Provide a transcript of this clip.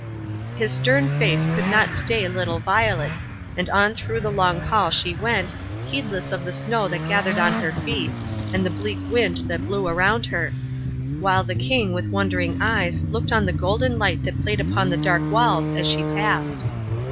His stern face could not stay little Violet, and on through the long hall she went, heedless of the snow that gathered on her feet, and the bleak wind that blew around her; while the King with wondering eyes looked on the golden light that played upon the dark walls as she passed.